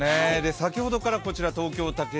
先ほどからこちら東京・竹芝